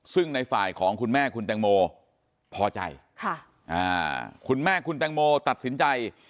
ซึ่งในฝ่ายของคุณแม่คุณแตงโมพอใจคุณแม่คุณแตงโมตัดสินใจ